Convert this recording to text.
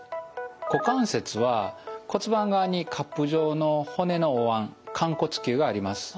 股関節は骨盤側にカップ状の骨のおわん寛骨臼があります。